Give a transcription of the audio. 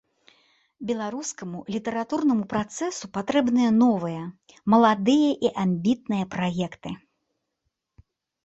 Беларускаму літаратурнаму працэсу патрэбны новыя, маладыя і амбітныя праекты.